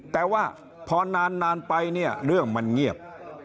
แต่ว่าพอนานไปเนี่ยเรื่องมันเงียบ